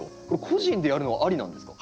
個人でやるのはありなんですか？